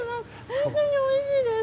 本当においしいです。